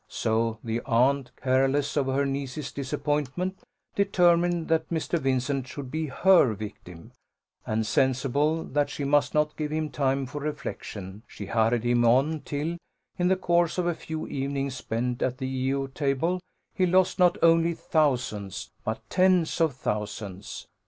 So the aunt, careless of her niece's disappointment, determined that Mr. Vincent should be her victim; and sensible that she must not give him time for reflection, she hurried him on, till, in the course of a few evenings spent at the E O table, he lost not only thousands, but tens of thousands.